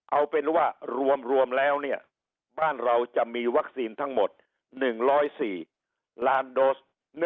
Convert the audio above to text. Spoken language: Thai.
เอาเป็นว่ารวมแล้วเนี่ยบ้านเราจะมีวัคซีนทั้งหมด๑๐๔ล้านโดส